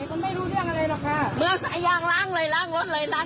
โอ้โฮ